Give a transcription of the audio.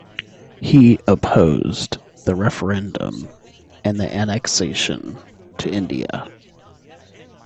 He opposed the referendum and the annexation to India.